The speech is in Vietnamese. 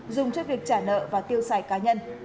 dùng cho việc trả nợ và tiêu xài cá nhân